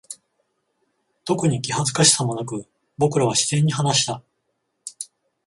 特に気恥ずかしさもなく、僕らは自然に話した。